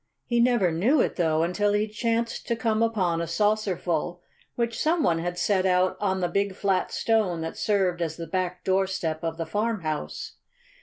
He never knew it, though, until he chanced to come upon a saucerful which some one had set out on the big flat stone that served as the back doorstep of the farmhouse.